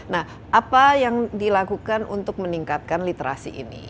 nah apa yang dilakukan untuk meningkatkan literasi ini